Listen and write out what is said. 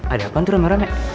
ada apaan tuh rame rame